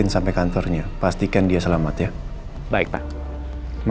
sampai jumpa di video selanjutnya